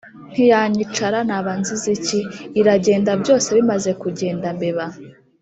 ntiyanyica ra Naba nzize iki Iragenda Byose bimaze kugenda mbeba